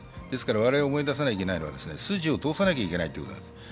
ですから思い出さなきゃいけないのは筋を通さなきゃいけないということです。